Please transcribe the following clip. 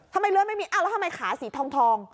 ทำไมเลือดไม่มีแล้วทำไมขาสีทอง